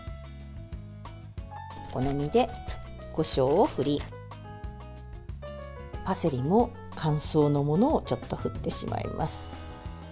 お好みで、こしょうを振りパセリも乾燥のものをちょっと振ってしまいます。